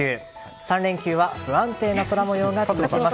３連休は不安定な空模様が続きます。